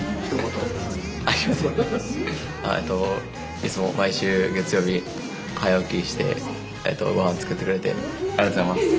いつも毎週月曜日早起きしてごはん作ってくれてありがとうございます。